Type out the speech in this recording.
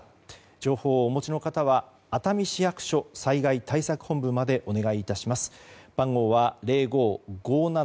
情報をお持ちの方は熱海市役所災害対策本部までお願いいたします。